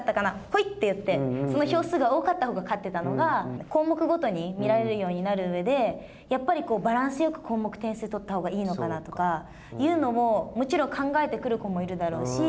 ほいって言ってその票数が多かったのが勝ってたのが項目ごとに見られるようになる上でやっぱりバランスよく項目点数を取ったほうがいいのかなとかというのももちろん考えてくる子もいるだろうし。